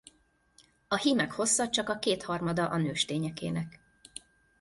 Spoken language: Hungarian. A hímek hossza csak a kétharmada a nőstényekének.